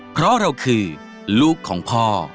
เพราะเราคือลูกของพ่อ